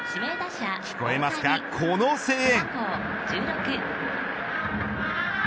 聞こえますか、この声援。